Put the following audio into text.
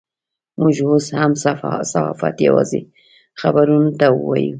موږ اوس هم صحافت یوازې خبرونو ته وایو.